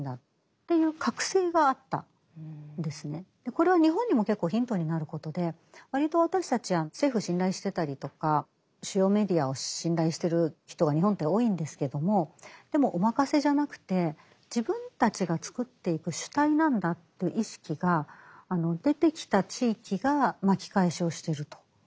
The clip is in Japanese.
これは日本にも結構ヒントになることで割と私たち政府を信頼してたりとか主要メディアを信頼してる人が日本って多いんですけどもでもお任せじゃなくて自分たちが作っていく主体なんだという意識が出てきた地域が巻き返しをしてると。